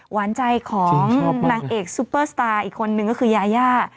หวานใจของนางเอกซุปเปอร์สตาร์อีกคนนึงก็คือยายา